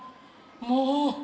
もう！